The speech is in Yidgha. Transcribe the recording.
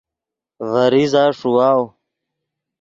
ڤے ریزہ ݰیواؤ